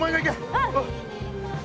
うん。